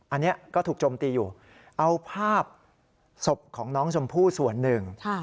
อันนี้ก็ถูกโจมตีอยู่เอาภาพศพของน้องชมพู่ส่วนหนึ่ง